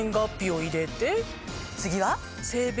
次は！